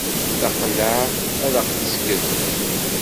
Taqellaɛt ad aɣ-tezgel.